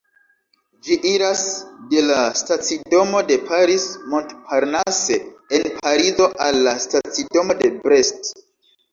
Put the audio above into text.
Ĝi iras de la stacidomo de Paris-Montparnasse en Parizo al la stacidomo de Brest.